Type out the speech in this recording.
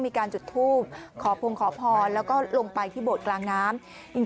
ตุนตุนตุนตุนตุนตุนตุนตุน